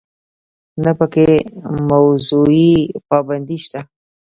نه په کې موضوعي پابندي شته.